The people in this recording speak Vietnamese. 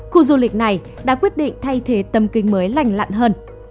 khu du lịch này đã quyết định thay thế tầm kính mới lành lặn hơn